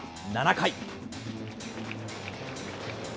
７回。